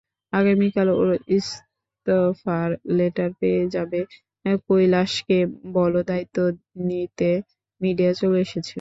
আগামিকাল ওর ইস্তফার লেটার পেয়ে যাবে কৈলাশকে বলো দায়িত্ব নিতে মিডিয়া চলে এসেছে।